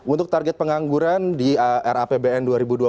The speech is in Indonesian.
untuk target pengangguran di rapbn dua ribu dua puluh